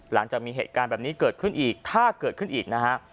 หลังจากมีเหตุการณ์แบบนี้เกิดขึ้นอีกถ้าเกิดขึ้นอีกนะฮะ